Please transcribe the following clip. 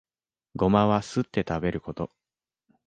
ゴマはすって食べること